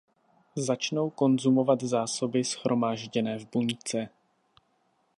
Začnou konzumovat zásoby shromážděné v buňce.